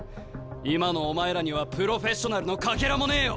今のお前らにはプロフェッショナルのかけらもねえよ！